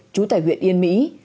trú tại huyện yên mỹ